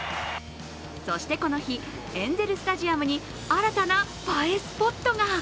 そしてこの日、エンゼル・スタジアムに新たな映えスポットが。